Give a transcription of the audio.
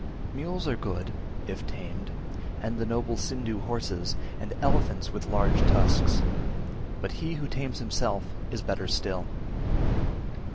322. Mules are good, if tamed, and noble Sindhu horses, and elephants with large tusks; but he who tames himself is better still.